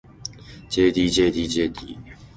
ｊｄｊｄｊｄ